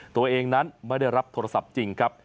ตัวเองนั้นไม่ได้รับโทรศัพท์จริงครับ